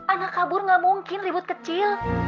anak kabur gak mungkin ribut kecil